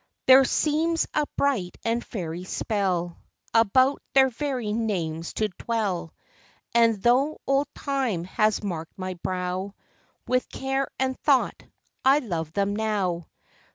There seems a bright and fairy spell About their very names to dwell; And though old Time has marked my brow With care and thought, I love them now.